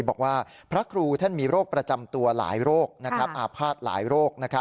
บอกว่าพระครูท่านมีโรคประจำตัวหลายโรคอาภาษณ์หลายโรค